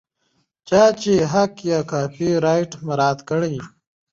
د چاپ حق یا کاپي رایټ مراعات کیږي.